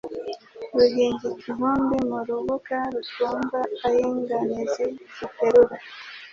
Ruhingika intumbi mu rubugaRutumva ay' inganizi ziterura